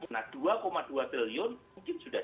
nah dua dua triliun mungkin sudah